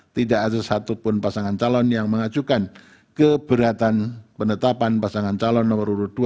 tidak ada satupun pasangan calon yang mengajukan keberatan penetapan pasangan calon nomor urut dua